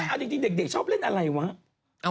ไม่ดีเด็กชอบเร่นอะไรวะ